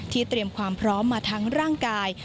เตรียมความพร้อมมาทั้งร่างกาย